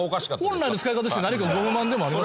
本来の使い方して何かご不満でもあります？